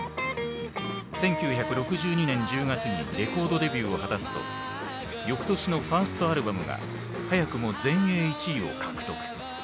１９６２年１０月にレコードデビューを果たすとよくとしのファーストアルバムが早くも全英１位を獲得。